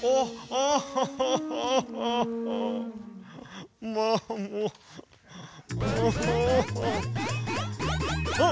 ああ！